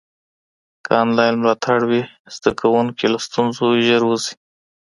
که انلاین ملاتړ وي، زده کوونکي له ستونزو ژر وځي.